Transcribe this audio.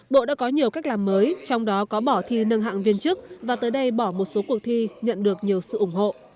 bộ đã có nhiều cách làm mới trong đó có bỏ thi nâng hạng viên chức và tới đây bỏ một số cuộc thi nhận được nhiều sự ủng hộ